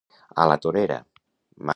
A la torera.